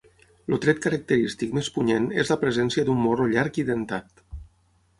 El tret característic més punyent és la presència d'un morro llarg i dentat.